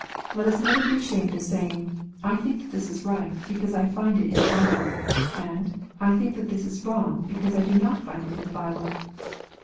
Let us never be ashamed of saying, " I think that this is right, because I find it in the Bible ;" and " I think that this is wrong, because I do not find it in the Bible."